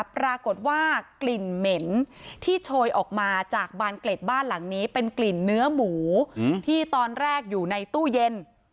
ปรากฏว่ากลิ่นเหม็นที่โชยออกมาจากบานเกล็ดบ้านหลังนี้เป็นกลิ่นเนื้อหมูที่ตอนแรกอยู่ในตู้เย็น